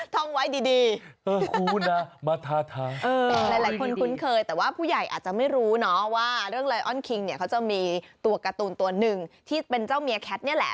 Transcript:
ท่องไว้ดีครูนะมาทาทายหลายคนคุ้นเคยแต่ว่าผู้ใหญ่อาจจะไม่รู้เนาะว่าเรื่องไลออนคิงเนี่ยเขาจะมีตัวการ์ตูนตัวหนึ่งที่เป็นเจ้าเมียแคทนี่แหละ